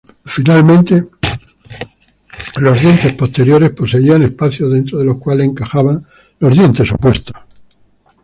Finalmente, los dientes posteriores poseían espacios dentro de los cuales encajaban los dientes opuestos.